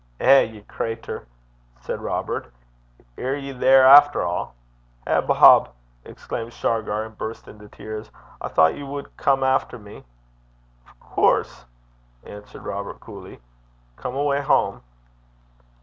'Eh! ye crater!' said Robert, 'ir ye there efter a'? 'Eh! Bob,' exclaimed Shargar, and burst into tears. 'I thocht ye wad come efter me.' 'Of coorse,' answered Robert, coolly. 'Come awa' hame.'